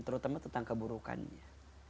terutama tentang keburukannya